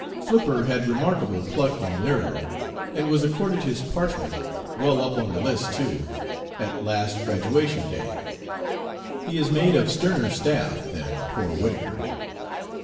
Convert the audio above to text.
Flipper had remarkable pluck and nerve, and was accorded his parchment well up on the list, too at last graduation day. He is made of sterner staff than poor Whittaker.